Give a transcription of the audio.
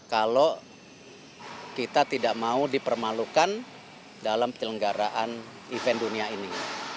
kalau kita tidak mau dipermalukan dalam penyelenggaraan event dunia ini